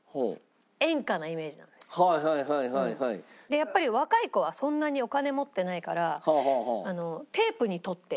やっぱり若い子はそんなにお金持ってないから。